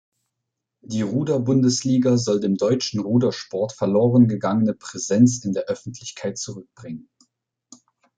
Die Ruder-Bundesliga soll dem deutschen Rudersport verlorengegangene Präsenz in der Öffentlichkeit zurückbringen.